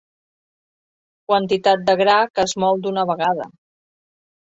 Quantitat de gra que es mol d'una vegada.